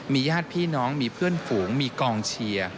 ญาติพี่น้องมีเพื่อนฝูงมีกองเชียร์